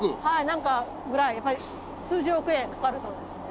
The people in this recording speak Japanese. なんかぐらいやっぱり数十億円かかるそうですね。